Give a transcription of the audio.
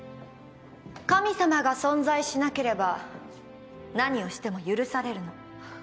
神様が存在しなければ何をしても許されるの。